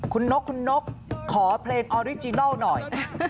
คุณนกคุณนกขอเพลงออริจินัลหน่อย